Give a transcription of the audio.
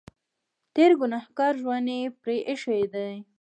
تېر ګنهګار ژوند یې پرې اېښی دی.